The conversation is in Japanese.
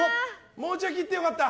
もうちょい切ってよかった。